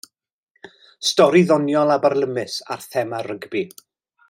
Stori ddoniol a byrlymus ar thema rygbi.